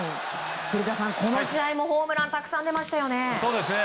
古田さん、この試合もホームランたくさん出ましたね。